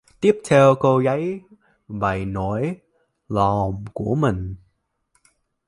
Tiếp theo cô dãy bày nỗi lòng của mình